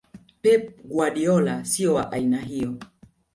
Pep Guardiola sio wa aina hiyo